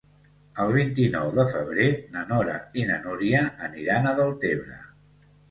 El vint-i-nou de febrer na Nora i na Núria aniran a Deltebre.